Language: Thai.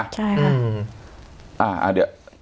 อ่าเดี๋ยวลองฟังหน่อยได้ไหม